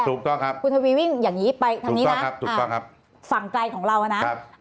ถูกต้องครับคุณทวีวิ่งอย่างนี้ไปทางนี้นะครับถูกต้องครับฝั่งไกลของเรานะครับ